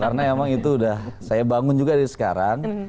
karena emang itu udah saya bangun juga dari sekarang